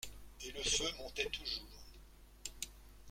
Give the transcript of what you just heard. Et le feu montait toujours.